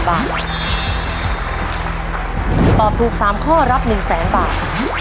ถ้าตอบถูก๓ข้อรับ๑๐๐๐บาท